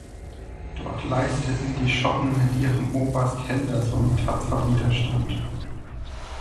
Dort leisteten die Schotten mit ihrem Oberst Henderson tapfer Widerstand.